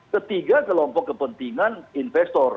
ketiga kelompok kepentingan investor